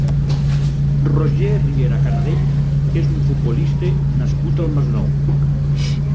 Roger Riera Canadell és un futbolista nascut al Masnou.